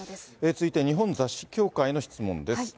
続いて日本雑誌協会の質問です。